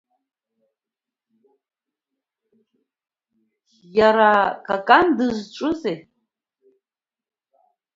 Иара, Какан, дызҿызи?